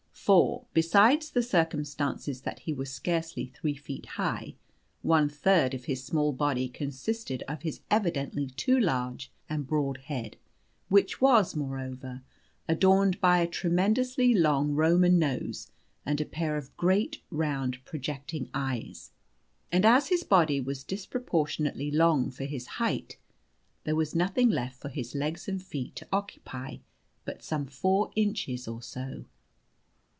For, besides the circumstances that he was scarcely three feet high, one third of his small body consisted of his evidently too large and broad head, which was, moreover, adorned by a tremendously long Roman nose and a pair of great round projecting eyes. And as his body was disproportionately long for his height, there was nothing left for his legs and feet to occupy but some four inches or so.